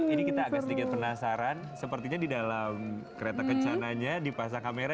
ini kita agak sedikit penasaran sepertinya di dalam kereta kencananya dipasang kamera